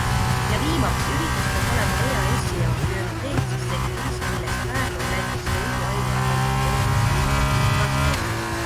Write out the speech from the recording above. Ja viimaks - üritus peab olema EASi jaoks prioriteetses sektoris, milleks praegu on näiteks toiduaine- ja kaitsetööstus ning IKT.